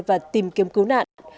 và tìm kiếm cứu nạn